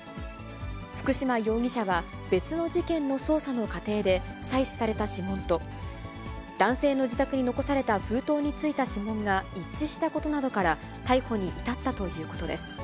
福島容疑者は、別の事件の捜査の過程で採取された指紋と、男性の自宅に残された封筒についた指紋が一致したことなどから、逮捕に至ったということです。